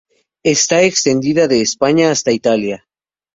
Está extendida de España hasta Italia.